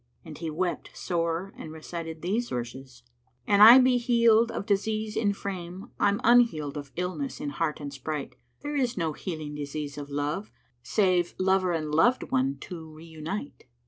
And he wept sore and recited these verses, "An I be healed of disease in frame, * I'm unhealed of illness in heart and sprite: There is no healing disease of love, * Save lover and loved one to re unite."